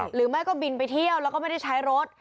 หรือไม่ก็บินไปเที่ยวแล้วก็ไม่ได้ใช้รถ